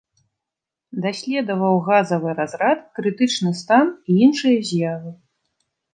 Даследаваў газавы разрад, крытычны стан і іншыя з'явы.